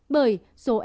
bởi số f là năm mươi